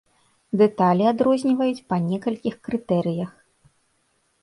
Дэталі адрозніваюць па некалькіх крытэрыях.